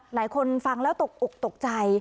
หลายคนฟังแล้วตกอกตกใจ